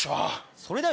それだよ！